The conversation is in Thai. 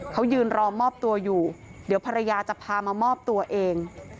เขายืนรอมอบตัวอยู่เดี๋ยวภรรยาจะพามามอบตัวเอง